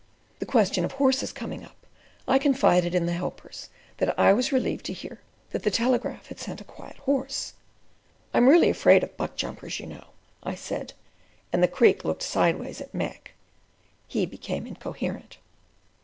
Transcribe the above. The question of horses coming up, I confided in the helpers, that I was relieved to hear that the Telegraph had sent a quiet horse. "I am really afraid of buck jumpers, you know," I said, and the Creek looking sideways at Mac, he became incoherent.